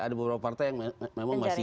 ada beberapa partai yang memang masih